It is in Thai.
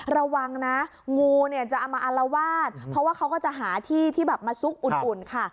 ระวังนะงูเนี่ยจะเอามาอารวาสเพราะว่าเขาก็จะหาที่ที่แบบมาซุกอุ่นค่ะ